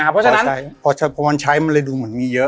เพราะว่าใช้มันเลยดูเหมือนมีเยอะ